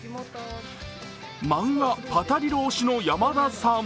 漫画「パタリロ！」推しの山田さん。